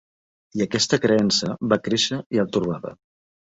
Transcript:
I aquesta creença va créixer i el torbava.